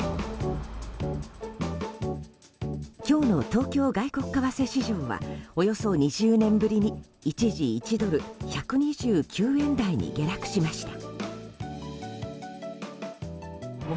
今日の東京外国為替市場はおよそ２０年ぶりに一時１ドル＝１２９円台に下落しました。